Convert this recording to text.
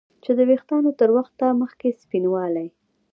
چې د ویښتانو تر وخته مخکې سپینوالی